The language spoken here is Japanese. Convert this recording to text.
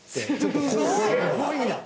すごいな！